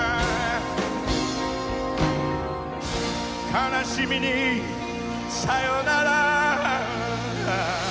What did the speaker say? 「悲しみにさよなら」